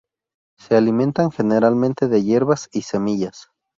Se alimentan generalmente de hierbas y semillas.